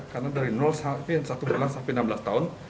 karena dari sampai enam belas sampai enam belas tahun